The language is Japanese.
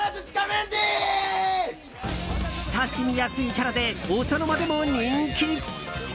親しみやすいキャラでお茶の間でも人気！